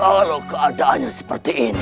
kalau keadaannya seperti ini